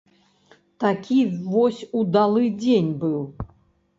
Такі вось удалы дзень быў.